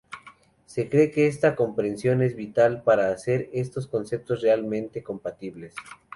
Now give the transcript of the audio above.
Se cree que esta comprensión es vital para hacer estos conceptos realmente compatibles.